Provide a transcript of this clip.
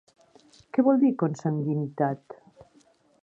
Què vol dir consanguinitat?